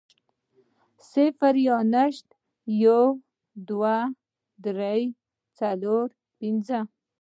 صفر يا نشت, يو, دوه, درې, څلور, پنځه